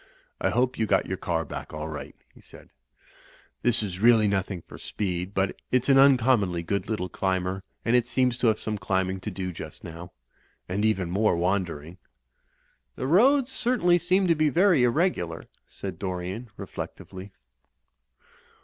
"I hope you got back your car all right," he said "This is really nothing for speed; but it's an uncommonly good little climber, and it seems to have some climbing to do just now. And even more wan dering." "The roads certainly seem to be very irregular/' said Dorian, reflectively.